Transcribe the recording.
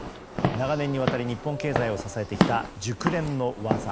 長年にわたり日本経済を支えてきた熟練の技。